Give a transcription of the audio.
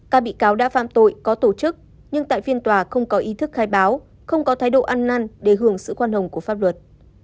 các bị cáo đã phạm tội có tổ chức nhưng tại phiên tòa không có ý thức khai báo không có thái độ ăn năn để hưởng sự khoan hồng của pháp luật